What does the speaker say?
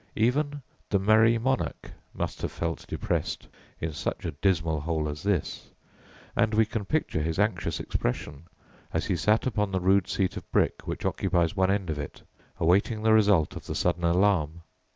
Even "the merry monarch" must have felt depressed in such a dismal hole as this, and we can picture his anxious expression, as he sat upon the rude seat of brick which occupies one end of it, awaiting the result of the sudden alarm.